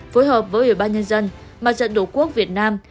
phối hợp với ủy ban nhân dân mặt trận tổ quốc việt nam